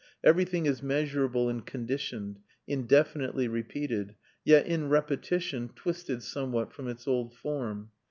Everything is measurable and conditioned, indefinitely repeated, yet, in repetition, twisted somewhat from its old form.